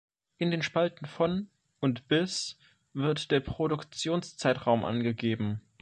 In den Spalten "Von" und "Bis" wird der Produktionszeitraum angegeben.